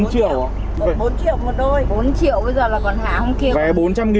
bốn triệu bây giờ là còn há không kia